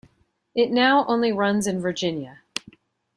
It now only runs in Virginia.